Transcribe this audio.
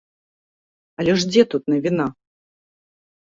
Але ж дзе тут навіна?